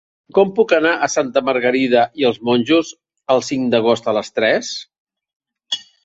Com puc anar a Santa Margarida i els Monjos el cinc d'agost a les tres?